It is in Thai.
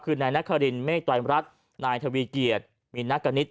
คือนายนาคารินเมฆตรายมรัฐนายทวีเกียรติมีนักกระนิด